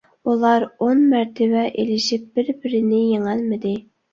ئۇلار ئون مەرتىۋە ئېلىشىپ بىر - بىرىنى يېڭەلمىدى.